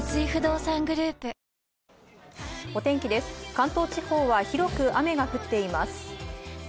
関東地方は広く雨が降っています。